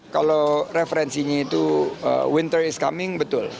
kalau referensinya itu winter is coming betul